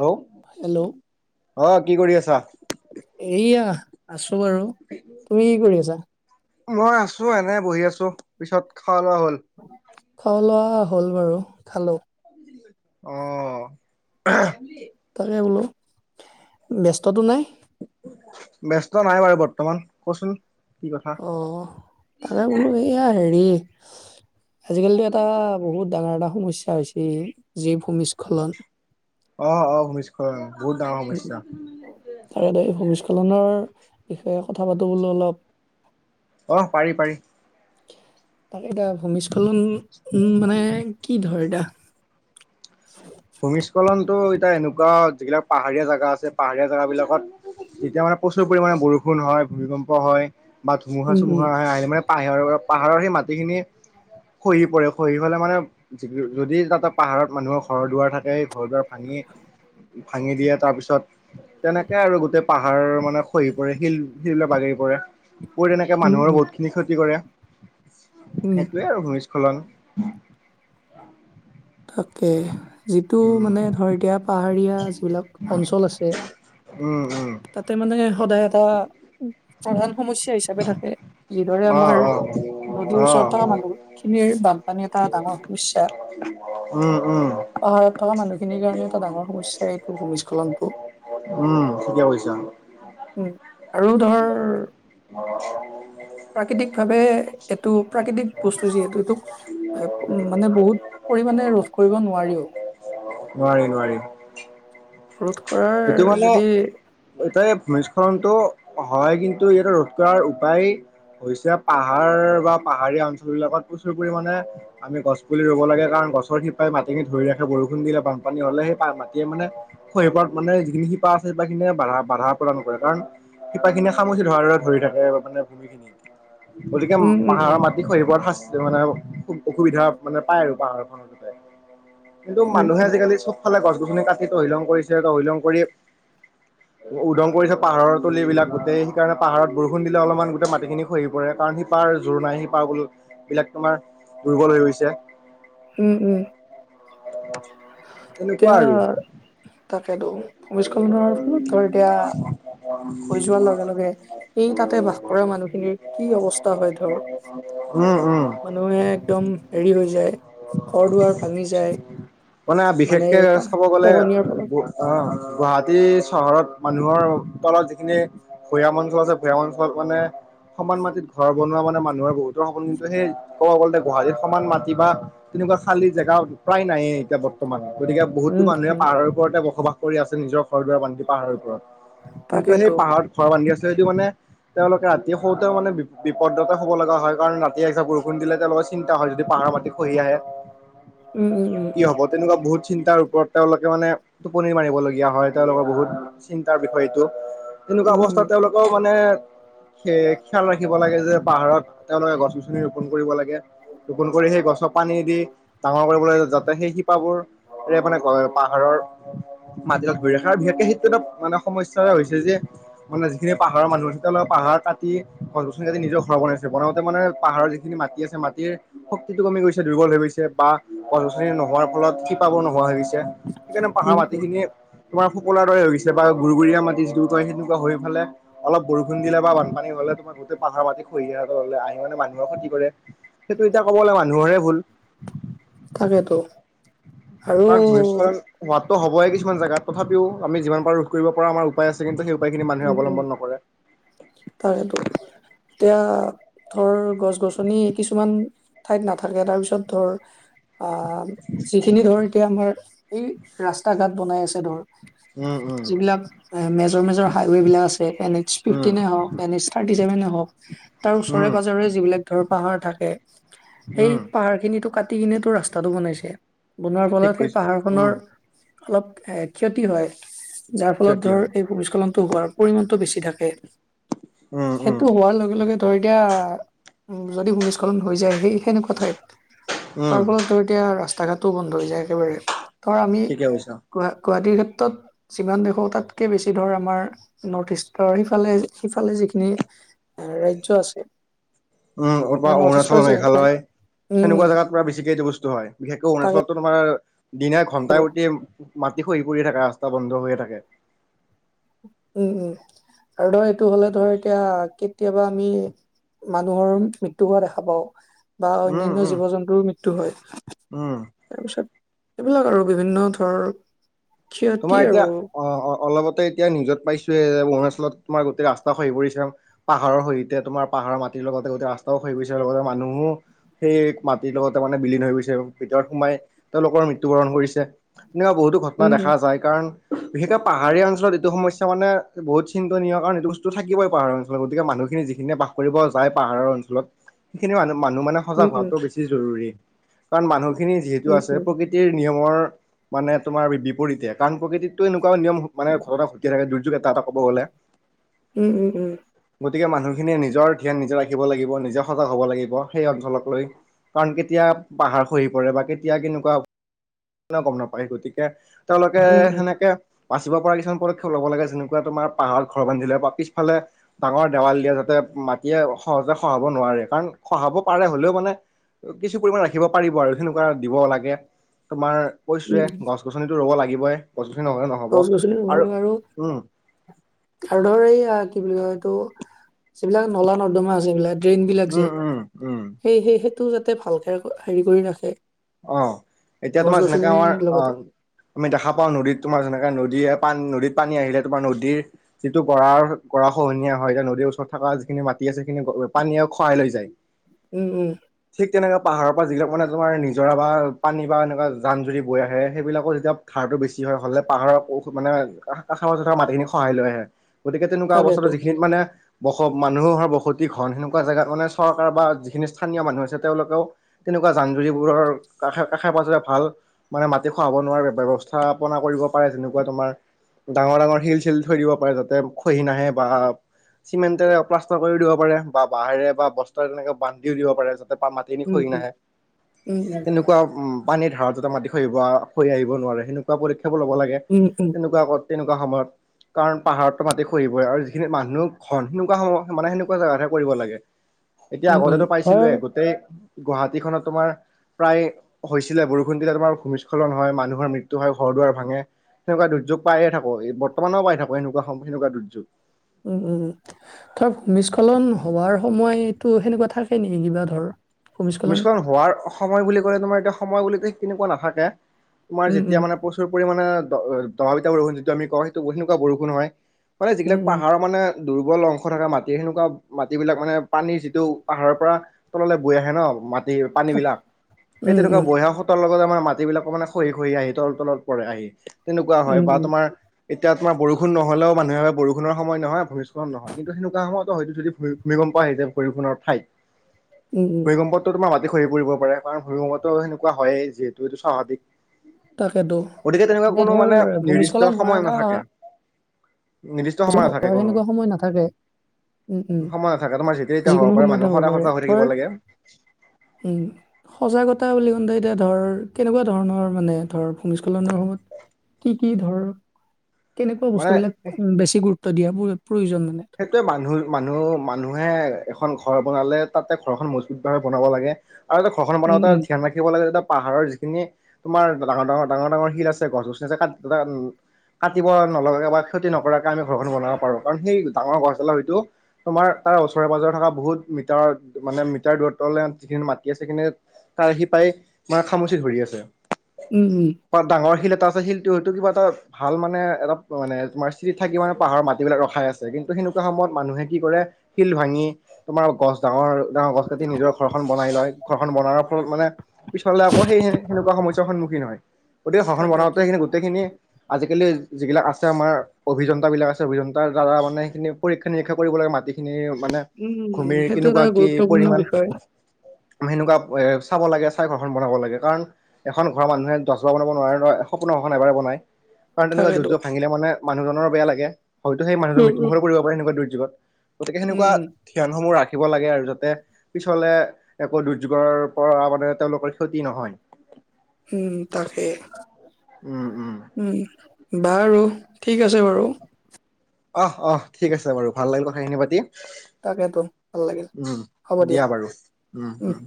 Hello অ কি কৰি আছা এয়া আছো বাৰু তুমি কি কৰি আছা মই আছো এনে বহি আছো পিছত খোৱা লোৱা হ'ল খোৱা লোৱা হ'ল বাৰু খালো অ তাৰে বোলো ব্যস্ততটো নাই ব্যস্ত নাই বাৰু বৰ্তমান কচোন কি কথা অ', তাকে বোলো এইয়া হেৰি আজিকালিতো এটা বহুত ডাঙৰ এটা সমস্যা হৈছে জীৱ ভূমিস্খলন অ', বহুত ডাঙৰ সমস্যা। তাকেদৰে ভূমস্খলনৰ বিষয়ে কথা পাতোবুলো অলপ। অ', পাৰি, পাৰি তাক এতিয়া ভূমিস্খলন উ মানে কি ধৰ এতিয়া ভূমিস্খলনতো এতিয়া এনেকুৱা যিবিলাক পাহাৰীয়া জেগা আছে পাহাৰীয়া জেগাবিলাকত তেতিয়া মানে প্ৰচুৰ পৰিমাণে বৰষুণ হয় ভূমিকম্প হয় বা ধুমুহা উম উম চুমুহা আহে আহিলে মানে পাহৰ পাহাৰৰ সেই মাটিখিনি খহি পৰে খহি হলে মানে যদি তাতে পাহাৰত মানুহৰ ঘৰ দুৱাৰ থাকে ঘৰ দুৱাৰ ভাঙি, ভাঙি দিয়ে তাৰপিছত তেনেকে আৰু গোটেই পাহাৰ মানে খহি পৰে শিল, শিল বাগৰি পৰে পৰি তেনেকে উম মানুহৰ উম বহুত খিনি ক্ষতি কৰে উম সেইটোৱে আৰু ভূমি খলং তাকে যিটো উম মানে ধৰ এতিয়া পাহাৰীয়া যিবিলাক অঞ্চল আছে উম, উম। তাতে মানে সদায় এটা প্ৰধান সমস্যা হিচাপে থাকে যিদৰে অ আমাৰ অ নদীৰ অ ওচৰত মানুহখিনিৰ বানপানী এটা ডাঙৰ সমস্যা উম, উম। পাহাৰত থকা মানুহখিনিৰ কাৰণে এটা ডাঙৰ সমস্যা এইটো ভূমিস্খলনটো উম, ঠিকে কৈছা। উম, আৰু ধৰ প্ৰাকৃতিক ভাৱে এইটো প্ৰাকৃতিক বস্তু যিহেতু এইটো মানে বহুত পৰিমাণে ৰোধ কৰিব নোৱাৰিও নোৱাৰি নোৱোৱাৰি ৰোধ কৰাৰ যদি ইতে ভূমিস্খলনতটো হয় কিন্তু ইয়াতে ৰোধ কৰাৰ উপায় হৈছে পাহাৰ বা পাহাৰীয়া অঞ্চল বিলাকত প্ৰচুৰ পৰিামানে আমি গছ পুলি ৰুব লাগে কাৰণ গছৰ শিপাই মাটি ধৰি ৰাখে বৰষুণ দিলে বানপানী হলে সেই মাটিয়ে মানে হৰিপাত মানে যিখিনিপ আছে শিপাখিনিয়ে বাধা বাধা প্ৰদান কৰে কাৰণ শিপা খিনিয়ে খামুচি ধৰা ধৰা ধৰি থাকে মানে ভূমি খিনি গতিকে উম উম উম পাহাৰৰ মাজ খহি পৰা শাস্ত মানে অসুবিধা মানে পায় আৰু পাহাৰখনত যতে কিন্তু উম মানুহে উম আজিকালি চব চবফালে গছ-গছনি কাটি তহিলং কৰিছে তহিলং কৰি উদং কৰিছে পাহাৰৰ তলিবিলাক গোটেই সেইকাৰণে পাহাৰত বৰষুণ দিলে অলপমান গোটেই মাটিখিনি খহি পৰে, কাৰণ সিপাৰ জোৰ নাই সিপাৰ গোল বিলাক তোমাৰ দুৰ্বল হৈ গৈছে। উম, উম। তেনেকুৱা এতিয়া, আৰু তাকেতো ভমিস্খলনৰ ফলত ধৰ এতিয়া হৈ যোৱাৰ লগে-লগে এই তাতে বাস কৰা মানুহখিনিৰ কি অৱস্থা হয় ধৰ উম, উম। মানুহে একদম হেৰি হৈ যায় ঘৰ-দুৱাৰ ভাঙি যায়। মানে বিশেষকে এই চাব গ'লে খহনীয়াৰ ফলত অ', গুৱাহাটী চহৰত মানুহৰ তলত যিখিনি ভৈয়াম অঞ্চল আছে, ভৈয়াম অঞ্চলত মানে সমান মাটিত ঘৰ বনোৱা মানে, মানুহৰ বহুতৰ সপোন কিন্তু, সেই ক'ব গ'লে গুৱাহাটীত সমান মাটি বা তেনেকুৱা খালী জেগা প্ৰায় নায়ে এতিয়া বৰ মানুহ গতিকে, বহুতো উম মানুহে উম পাহাৰৰ ওপৰতে বসবাস কৰি আছে, নিজৰ ঘৰ-দুৱাৰ বান্ধি পাহাৰৰ ওপৰত। কিন্তু, তাকেতো সেই পাহাৰত ঘৰ বান্ধি আছে যদিও মানে তেওঁলোকে ৰাতি শুওতেওঁ মানে বিপদতে শুব লগা হয় কাৰণ, ৰাতি এজাক বৰষুণ দিলেতেওঁলোকৰ চিন্তা হয়, যদি পাহাৰৰ মাটি খহি আহে উম, উম, উম। কি হ'ব তেনেকুৱা, বহুত চিন্তাৰ ওপৰত তেওঁলোকে মানে টোপনি মাৰিবলগীয়া হয়। তেওঁলোকৰ বহুত চিন্তাৰ বিষয় এইটো। তেনেকুৱা উম উম অৱস্থাত তেওঁলোকৰ মানে সেই সিয়াল ৰাখিব লাগে যে পাহাৰত তেওঁলোকে গছ গছনি ৰোপন কৰিব লাগে। ৰোপন কৰি সেই গছত পানী দি ডাঙৰ কৰিব লাগে যাতে সেই শিপাবোৰ এ মানে পাহাৰৰ মাটিবিলাক ধৰি ৰাখে আৰু বিশেষকে সেইটো এটা মানে সমস্যা হৈছে যে মানে যিখিনি পাহাৰৰ মানুহ আছে, তেওঁলোক পাহাৰ কাটি গছ গছনি কাটি নিজৰ ঘৰ বনাইছে বনাওঁতে মানে পাহাৰৰ যি যিখিনি মাটি আছে, মাটিৰ শক্তিটো কমি গৈছে। দুৰ্বল হৈ গৈছে বা গছ গছনি নোহোৱাৰ ফলত শিপাবোৰ নোহোৱা হৈ গৈছে। সেইকাৰণে পাহাৰ উম উম মাটিখিনি তোমাৰ ফোপোলাৰ দৰে হৈ গৈছে বা গুৰ মাটি [unintelligible] হৈ ফালে অলপ বৰষুণ দিলে বা বানপানী হ'লে তোমাৰ গোটেই পাহাৰ মাটি খহি আহে, আহি মানে মানুহৰ ক্ষতি কৰে। সেইটো এতিয়া কব গ'লে মানুহৰে ভুল। তাকেতো। আৰু বা ভূমিস্খলন হোৱাতো হ'বই কিছুমান জোগাত। তথাপিও আমি যিমান পাৰো ৰোধ কৰিব পৰাৰ আমাৰ উপায় আছে। কিন্তু সেই উপায়খিনি মানু্হে উম উম অৱলম্বন নকৰে। তাকেতো। এতিয়া ধৰ গছ গছনি কিছুমান ঠাইত নাথাকে। তাৰপিছত ধৰ আ যিখিনি ধৰ এতিয়া আমাৰ এই ৰাস্তা ঘাট বনাই আছে ধৰ। উম, উম, যিবিলাক মেজৰ মেজৰ হাইৱেবিলাক আছে, এন এইচ উম, ফিপ্তিন এ হওঁক এন এচ থাৰ্টি চছেভেনে হওঁক, তাৰ ওচৰে উম, পাজৰে যিবিলাক ধৰ পাহাৰ থাকে। সেই উম, পাহাৰখিনিটো কাটি কিনেতো ৰাস্তাটো বনাইছে। বনোৱাৰ ঠিক ফলত সেই কৈছ পাহাৰখনৰ উম, অলপ এ ক্ষতি হয়। যাৰ ফলত ক্ষতি ধৰ হয়। এই ভূমিস্খলনতটো হোৱাৰ পৰিমানটো বেছি থাকে। উম, উম, সেইটো হোৱাৰ লগে লগে ধৰ এতিয়া যদি ভূমিস্খলন হৈ যায় সেই সেনেকুৱা ঠাইত। উম, তাৰ ফলত ত' এতিয়া ৰাস্তা ঘাটও বন্ধ হৈ যায় একেবাৰে। কাৰণ আমি ঠিকে কৈছা। গুৱাহাটীৰ ক্ষেত্ৰত যিমান দেখো তাতকে বেছি ধৰ আমাৰ নৰ্থ ইষ্টৰ সিফালে সিফালে যিখিনি ৰাজ্য আছে। উম, মানে নৰ্থ অৰুৱা-অৰুণাচল ইষ্টৰ যি মেঘালয় উম সেনেকুৱা উম জেগাত পুৰা বেছিকে এইটো বস্তু হয়। বিশেষকৈ তাকে অৰুণাচলতো তোমাৰ দিনে ঘন্টাই প্ৰতি মাটি খহি পৰি থাকে ৰাস্তা বন্ধ হৈয়ে থাকে। উম, উম আৰু ধৰ এইটো হ'লে ধৰ এতিয়া কেতিয়াবা আমি মানুহৰ মৃত্যু হোৱা দেখা পাওঁ বা উম, অন্যান্ন উম, জীৱ জন্তুৰ মৃত্যু হয়। উম। তাৰপিছত এইবিলাক আৰু বিভিন্ন ধৰ ক্ষতি তোমাৰ এতিয়া আৰু অ-অ-অলপতে এতিয়া নিজত পাইছোৱে অৰুণাচলত তোমাৰ গোটেই ৰাস্তা সহি পৰিছে। পাহাৰৰ সৈতে তোমাৰ পাহাৰৰ মাটিৰ লগতে গোটেই ৰাস্তাও খহি পৰিচে লগতে মানুহো সেই মাটিৰ লগতে মানে বিলীন হৈ গৈছে ভিতৰত সোমাই তেওঁলোকৰ মৃত্যু বৰণ কৰিছে। তেনেকুৱা বহুতো ঘটনা দেখা উম কাৰণ বিশেষকে পাহাৰীয়া অঞ্চলত এইটো সমস্যা মানে বহুত চিন্তনীয়। কাৰণ এইটো তো থাকিবই পাহাৰৰ অঞ্চলত গতিকে মানুহখিনি যিখিনি বাস কৰিব যায় পাহাৰৰ অঞ্চলত। সেইখিনি মানুহ-মানুহ মানে সজাগ উম উম হোৱাটো বেছি জৰুৰী। কাৰণ মানুহখিনি যিহেতু উম আছে প্ৰকৃ প্ৰকৃতিৰ নিয়মৰ মানে তোমাৰ বিপৰীতে কাৰণ। প্ৰকৃতিত টো এনেকুৱা নিয়ম মানে ঘটনা ঘটিয়ে থাকে দুৰ্যোগ এটা এটা ক'ব গ'লে। উম, উম, উম। গতিকে মানুহখিনিয়ে নিজৰ ধ্যান নিজে ৰাখিব লাগিব নিজে সজাগ হ'ব লাগিব সেই অঞ্চলক লৈ। কাৰণ কেতিয়া পাহাৰ খহি পৰে বা কেতিয়া কেনেকুৱা গম নাপায়। গতিকে তেওঁলোকে উম সেনেকৈ বাচিব পৰা কিছমান পদক্ষেপ ল'ব লাগে যেনেকুৱা তোমাৰ পাহাৰত ঘৰ বান্ধিলে বা পিছফালে ডাঙৰ দেৱাল দিয়ে যাতে মাটিয়ে সহজে খহাব নোৱাৰে, কাৰণ খহাব পাৰে হলেও মানে কিছু পৰিমাণ ৰাখিব পাৰিব আৰু সেনেকুৱা দিব লাগে, তোমাৰ উম কৈছোৱে উম গছনিতো ৰ'ব লাগিবই গছ গছনি নহ'লে নহয় গছ গছনি ৰুব লাগিব আৰু তাৰ ধৰে এই কি বুলি কয় এইটো যিবিলাক নলা নৰ্দমা আছে এইবলাক ড্ৰেইন বিলাক উম যে উম উম সেই-সেই-সেইেতটো যাতে ভালকে হেৰি কৰি ৰাখে অ, এতিয়া গছ তোমাৰ যেনেকাা আমাৰ গছনিৰ লগতে অ, আমি দেখা পাওঁ নদীত তোমাৰ যেনেকে নদী পানী নদীত পানী আহিলে তোমাৰ নদীৰ যিটো গৰাৰ গৰা খহনীয়া হয় নদীৰ ওচৰত থকা যিখিনি মাটি আছে সেইিন পানীয়ে খুৱাই লৈ যায়। উম, উম, ঠিক তেনেককা পাহাৰৰ যিলাক মানে তমাৰ নি জোৰা বা পানী বা এনেকুৱা জান জুৰি বৈ আহে সেইবিলাকো যেতিয়া ধাৰটো বেছি হয় হ'লে পাহাৰৰ ঔষধ মানে ৰাষ মাজত থকা মাটিখিনিক সহায় লৈ আহে গতিকে তেনেকুৱা তাকেতো অৱস্থাত যিখিনি মানে, বস মানুহৰ বসতি ঘন সেনেকুৱা জেগাত মানে চৰকাৰ বা যিখিনি স্থানীয় মানুহ আছে তেওঁলোকেও, তেনেকুৱা জান জৰিবোৰৰ কাষ কাষে পাছৰে ভাল, মানে মাটি খোৱাব নোৱাৰা ব্যৱস্থাপনা কৰিব পাৰে যেনেকুৱা তোমাৰ, ডাঙৰ ডাঙৰ শিল শিল থৈ দিব পাৰে যাতে খহি নাহে বা, চিমেণ্টেৰে প্লাষ্টাৰ কৰি দিব পাৰে বা বাহেৰে বা বস্তা তেনেকে বান্ধিও দিব পাৰে। ত পা মাতে এনি উম খহি নাহে। উম, উম, তেনেকুৱা পানীৰ ধাৰত যাতে মাটি হৈৰি আহিব নোৱাৰে সেনেকুৱা পদক্ষেপো ল'ব লাগে। উম উম তেনেকুৱা ক তেনেকুৱা সময়ত। কাৰণ পাহাৰততো মাটি খৰিবই আৰু যিখিনি মানুহ ঘন সেনেকুৱা সময় মানে সেনেকুৱা জেগাতহে কৰিব লাগে। [unintelligible] এতিয়া উম উম আগতেতটো ধৰ পাইছিলোয়ে গোতেেই গুৱাহাটীখনত তোমাৰ প্ৰায় হৈছিলে বৰষুণ দিল তোমাৰ ভূমিস্খলন হয় মানুহৰ মৃত্যু হয় ঘৰ দুৱাৰ ভাঙে, সেনেুৱা দুৰ্যোগ পায়ে থাকক এই ব্তেও পাই থাকো এনেকুৱা সম সেনেকুৱা দুৰ্যোগ। উম, উম, ধৰ ভূমিস্খলন হোৱাৰ সময়তটো সেনেকুৱা থাকে নেকি কিবা ধৰ, ভূমিস্খলন ভূমিস্ন হোৱাৰ সময় বুলি কলে তোমাৰ এতিয়া সময় বুলিক কেনেকুৱা নাথাকে তোমাৰ উম যেতিয়া উম মানে প্ৰচুৰ পৰিমাে অ দবাত বৰষণ যিটো আমি কওঁ সেইটো স তেনেকুৱা বৰষুণ হয়। মানে যিবিলাক উম পাহাৰৰ মানে দুৰ্বল অংশ থকা মাটিৰ সেনেকুৱা মাটিবিলাক মানে পানীৰ যিটো পাহাৰৰ পৰা তললৈ বৈ আহে ন মাটি পানী বিলাক এই উম উম তেনেকুৱা উম বৈ আহা তাৰ লগতে মানে মাটিব বিলাকো মানে খহি খহি আহি তল তলত পৰে আহি তেনেকুৱা হয় উম বা উম তোমাৰ এতিয়া তোমাৰ বৰষুন নহলেও মানুহে বৰষুণৰ সময় নহয় ভূম্ল নহয় কিন্তু সেনেকুৱা সময়তো হয়তো যদি ভূমিকম্প আহিছে বৰষুনৰ ঠাইত। [unintelligible] উম ভূমিকম্পটো তোমাৰ মাটি খহি পৰি কৰিব পাৰে কাৰণ ভূমিকম্পতটো সেনেকুৱা হয়য়েই যিহেতু এইটো তাকেতো স্বাভাৱিক। গতিকে তেনেকুৱা কোনো ধৰ মানে ভূমিস্খলন নিৰ্দিষ্ট হোৱাৰ সময় এটা নাথাকে। নিৰ্দিষ্ট সময় নাথাকে হোৱাৰ কোনো। সেনেকুৱা সময় নাথাকে উম উম সময় নাথাকে তোমাৰ যেতিয়া তেতিয়া হব যিকোনো পাৰে সময়তে মানুহ হ'ব সদা পাৰে সজা হৈ থাকিব ধৰ লাগে। উম, সজাগতা বুলি কওঁতে এতিয়া ধৰ কেনেকুৱা ধৰণৰ মানে ধৰ ভূমিস্খলনৰ সময়ত কি কি ধৰ কেনেকুৱা মানে বস্তুবিলাক উ বেছি গুৰুত্ব দিয়া প্ৰয়োজন মানে? ধৰ? সেইটোৱে মানুহ মানুহ মানুহে এখন ঘৰ বনালে তাতে ঘৰখন মজবুত ভাৱে বনাব লাগে। আৰু এটা ঘৰখন বনাওঁ উম, এ উম, ধ্যান ৰাখিব লাগে এটা পাহাৰৰ খ তোমাৰ ডাঙৰ-ডাঙৰ-ডাঙৰ-ডাঙৰ শিল আছে গছ গছনি আছে [inaudible] কাটিব নলগাকে বা ক্ষতি নকৰাকে আমি ঘৰখনো বনাব পাৰোঁ কাৰণ সেই ডাঙৰ গছডালাৰ হয়তো তোমাৰ তাৰ ওচৰে পাজৰে থকা বহুত মিটাৰ মানে, মিটাৰ দূৰত্ব যিখিনি মাটি আছে সেইখিনি তাৰ সিপাই মানে খামুচি ধৰি আছে। উম', উম'। বা ডাঙৰ শিল এটা আছে শিলটো হয়তো কিবা এটা ভাল মানে এটা মানে তোমাৰ স্থিৰত থাকি মানে পাহাৰৰ মাটিবিলাক ৰখাই আছে। কিন্তু সেনেকুৱা সময়ত মানুহে কি কৰে, শিল ভাঙি তোমাৰ গছ ডাঙৰ ডাঙৰ গছ কাটি নিজৰ ঘৰখন বনাই লয়। ঘৰখন বনাৰ ফলত মানে পিছালে আকৌ সেই সেনেকুৱা সমস্যাৰ সন্মুখীন হয়। গতিকে ঘৰখান তাকেতো। বনাওঁতে সেইখিনি গোটেই গোটেইখিনি আজিকালি যিবিলাক আছে আমাৰ, অভিযন্তা বিলাক আছে, অভিযন্তাৰ দ্বাৰা মানে সেইখিনি পৰীক্ষা-নিৰীক্ষা কৰিব লাগে মাটিখিনি মানে উম, উম, ভূমিৰ সেইটো এটা কেনেকুৱা কি গুৰুত্বপূৰ্ণ পৰিমাণ। বিষয়। সেনেকুৱা এ চাব লাগে, চাই ঘৰখন বনাব লাগে কাৰণ এখন ঘৰৰ মানুহে দহবাৰ বনাব নোৱাৰে নহয়, এ সপোনৰ এখন এবাৰে বনায়। কাৰণ তেনেকুৱা তাকেতো। দুৰ্যোগ ভাঙিল মানে মানুহজনৰ বেয়া লাগে, হয়তো সেই মানুহজন উম, মৃত্যুৰ উম। মুখতো পৰিব পাৰে তেনেকুৱা দুৰ্যোগত। গতিকে উম, সেনেকুৱা উম, ধ্যানসমূহ ৰাখিব লাগে আৰু যাতে পিছলে একো দুৰ্যোগৰ পৰা মানে তেওঁলোকৰ ক্ষতি নহয়। উম', তাকে, উম উম উম। বাৰু ঠিক আছে বাৰু। অহ', অহ' ঠিক আছে বাৰু। ভাল লাগিল কথাখিনি পাতি। তাকেতো ভাল লাগিল। উম', দিয়া বাৰু উম', উম'।